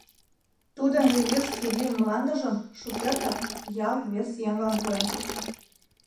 Тудын ревижский лӱм мландыжым шукертак ял вес еҥлан пуэн.